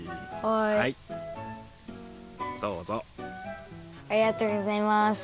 ありがとうございます。